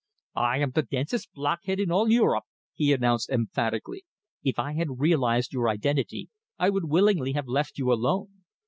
"I am the densest blockhead in all Europe!" he announced emphatically. "If I had realised your identity, I would willingly have left you alone.